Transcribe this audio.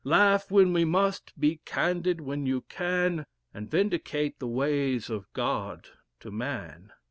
Laugh when we must, be candid when you can, And vindicate the ways of God to man."